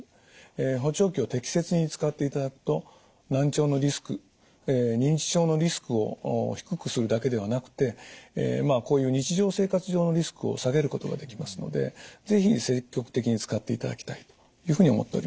補聴器を適切に使っていただくと難聴のリスク認知症のリスクを低くするだけではなくてこういう日常生活上のリスクを下げることができますので是非積極的に使っていただきたいというふうに思っております。